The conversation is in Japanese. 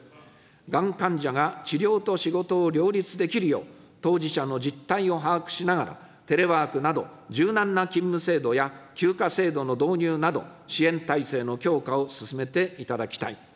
がん患者が治療と仕事を両立できるよう、当事者の実態を把握しながら、テレワークなど、柔軟な勤務制度や休暇制度の導入など、支援体制の強化を進めていただきたい。